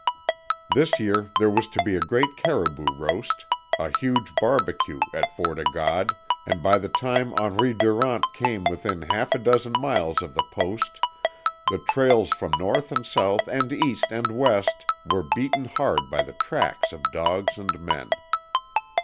This year there was to be a great caribou roast, a huge barbecue, at Fort O' God, and by the time Henri Durant came within half a dozen miles of the Post the trails from north and south and east and west were beaten hard by the tracks of dogs and men.